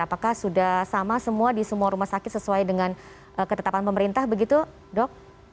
apakah sudah sama semua di semua rumah sakit sesuai dengan ketetapan pemerintah begitu dok